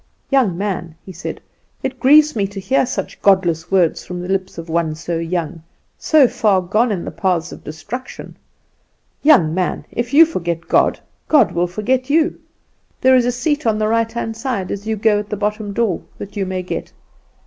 'Young man,' he said, 'it grieves me to hear such godless words from the lips of one so young so far gone in the paths of destruction. Young man, if you forget God, God will forget you. There is a seat on the right hand side as you go at the bottom door that you may get.